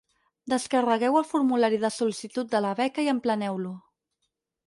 Descarregueu el formulari de sol·licitud de la beca i empleneu-lo.